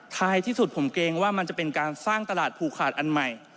ท้ายที่สุดผมเกรงว่ามันจะเป็นการสร้างตลาดภูขาดอันใหม่